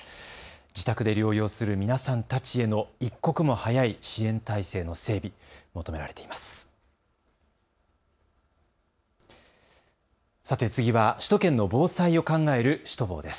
自宅で療養する皆さんたちへの一刻も早い支援体制の整備、求められています。